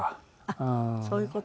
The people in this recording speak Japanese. あっそういう事？